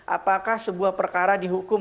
apakah sebuah perkara dihukum